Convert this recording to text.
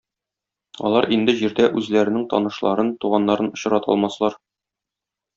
Алар инде Җирдә үзләренең танышларын, туганнарын очрата алмаслар.